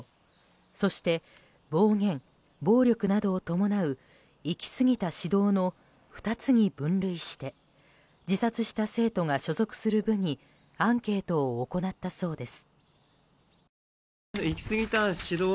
そして暴言、暴力などを伴う行き過ぎた指導の２つに分類して自殺した生徒が所属する部にアンケートを行ったそうです。